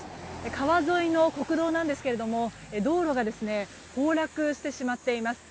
川沿いの国道なんですけど道路が崩落してしまっています。